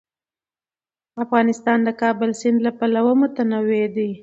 افغانستان د د کابل سیند له پلوه متنوع دی.